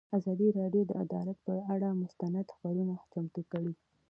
ازادي راډیو د عدالت پر اړه مستند خپرونه چمتو کړې.